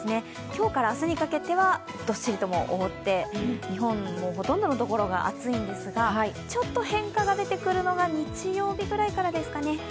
今日から明日にかけてはどっしりと覆って、日本のほとんどの所が暑いんですが、ちょっと変化が出てくるのが日曜日ぐらいからですかね。